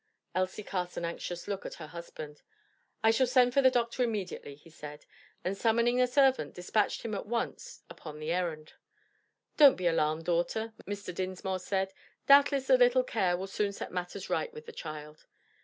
Elsie cast an anxious look at her husband. "I shall send for the doctor immediately," he said, and summoning a servant dispatched him at once upon the errand. "Don't be alarmed, daughter," Mr. Dinsmore said; "doubtless a little care will soon set matters right with the child."